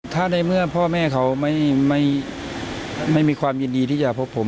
ถ้าในเมื่อพ่อแม่เขาไม่มีความยินดีที่จะพบผม